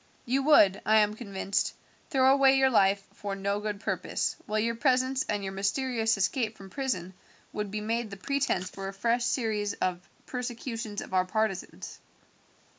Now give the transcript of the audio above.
You would, I am convinced, throw away your life for no good purpose, while your presence and your mysterious escape from prison would be made the pretense for a fresh series of persecutions of our partisans.